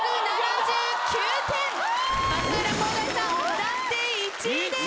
暫定１位です。